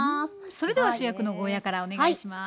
それでは主役のゴーヤーからお願いします。